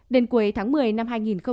đến cuối tháng một mươi năm hai nghìn hai mươi